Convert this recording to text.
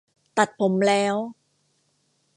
ตัดผมแล้ว